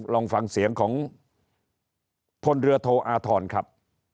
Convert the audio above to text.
ลองฟังเสียงของพลเรือโทอาทรครับ